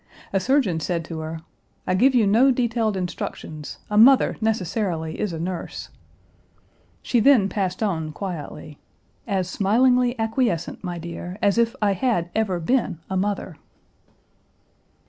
A surgeon said to her, "I give you no detailed instructions: a mother necessarily is a nurse." She then passed on quietly, "as smilingly acquiescent, my dear, as if I had ever been a mother."